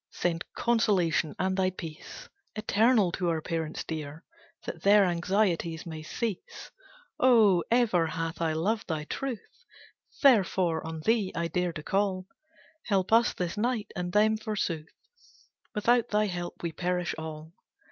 Send consolation, and thy peace Eternal, to our parents dear, That their anxieties may cease. Oh, ever hath I loved Thy truth, Therefore on Thee I dare to call, Help us, this night, and them, for sooth Without thy help, we perish all."